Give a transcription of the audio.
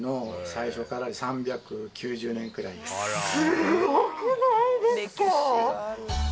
すごくないですか。